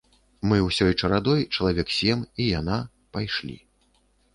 Мы ўсёй чарадой, чалавек сем, і яна, пайшлі.